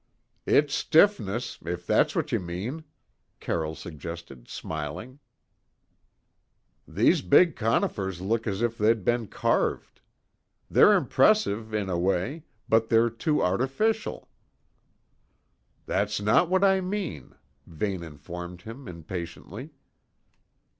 "Its stiffness, if that's what you mean," Carroll suggested, smiling. "These big conifers look as if they'd been carved. They're impressive, in a way, but they're too artificial." "That's not what I mean," Vane informed him impatiently.